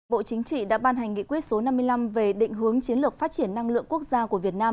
bộ chính trị đã ban hành nghị quyết số năm mươi năm về định hướng chiến lược phát triển năng lượng quốc gia của việt nam